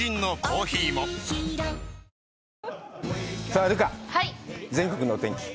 さあ留伽、全国のお天気。